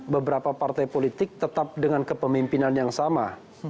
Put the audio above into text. beberapa partai politik tetap dengan kepemimpinan yang sama